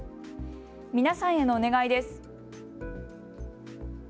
皆さんへのお願いです。